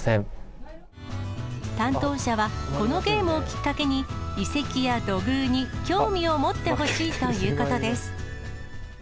担当者は、このゲームをきっかけに、遺跡や土偶に興味を持ってほしいということです。